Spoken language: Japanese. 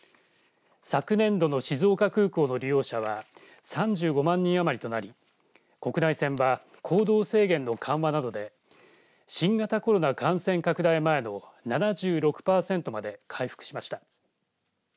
昨年度の静岡空港の利用者は３５万人余りとなり国内線は行動制限の緩和などで新型コロナ感染拡大前の７６パーセントまで回復しました。